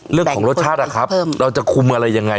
เรื่องของรสชาตินะครับเราจะคุมอะไรยังไง